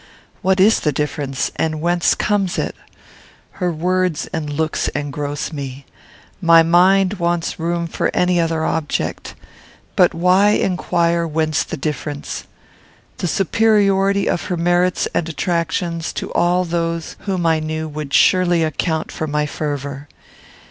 What is the difference, and whence comes it? Her words and looks engross me. My mind wants room for any other object. But why inquire whence the difference? The superiority of her merits and attractions to all those whom I knew would surely account for my fervour.